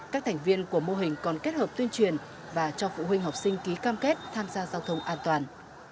các thành viên của mô hình còn kết hợp tuyên truyền và cho phụ huynh học sinh ký cam kết tham gia giao thông an toàn